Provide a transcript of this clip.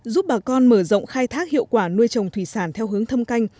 giúp bà con mở rộng khai thác hiệu quả nuôi trồng thủy sản theo hướng thâm canh